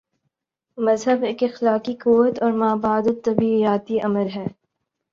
مذہب ایک اخلاقی قوت اور مابعد الطبیعیاتی امر ہے۔